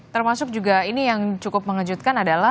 termasuk juga ini yang cukup mengejutkan adalah